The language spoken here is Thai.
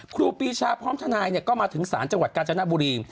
ครูปีชาพร้อมทนายก็มาถึงศาลจังหวัดกาญจนบุรี